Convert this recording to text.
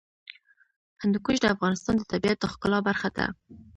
هندوکش د افغانستان د طبیعت د ښکلا برخه ده.